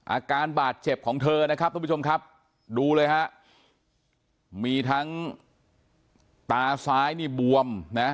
อาการบาดเจ็บของเธอนะครับทุกผู้ชมครับดูเลยฮะมีทั้งตาซ้ายนี่บวมนะ